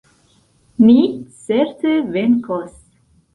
Ni certe venkos!